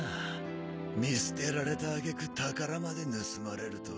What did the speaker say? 見捨てられた揚げ句宝まで盗まれるとは